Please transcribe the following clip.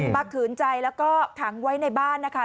ขืนใจแล้วก็ขังไว้ในบ้านนะคะ